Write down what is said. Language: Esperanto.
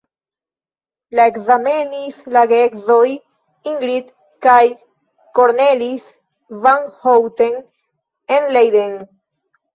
La ekzamenis la geedzoj Ingrid kaj Cornelis van Houten en Leiden.